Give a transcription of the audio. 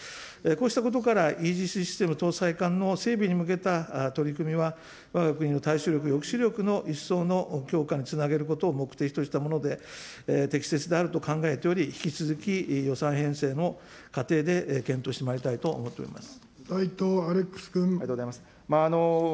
こうしたことから、イージスシステム搭載艦の整備に向けた取り組みは、わが国の対処力、抑止力の一層の強化につなげることを目的としたもので、適切であると考えており、引き続き予算編成の過程で検討してまいりたいと思っております。